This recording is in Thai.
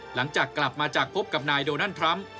หลังจากกลับมาจากพบกับนายโดนัลดทรัมป์